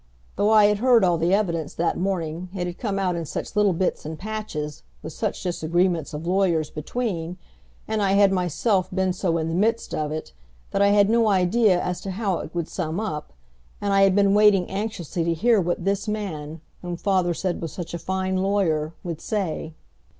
Though I had heard all the evidence that morning it had come out in such little bits and patches with such disagreements of lawyers between, and I had myself been so in the midst of it that I had no idea as to how it would sum up; and I had been waiting anxiously to hear what this man, whom father said was such a fine lawyer, would say.